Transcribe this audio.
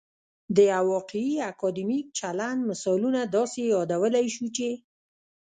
د یو واقعي اکادمیک چلند مثالونه داسې يادولای شو چې